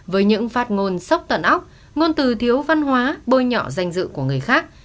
với những phát ngôn sốc tận óc ngôn từ thiếu văn hóa bôi nhọ danh dự của người khác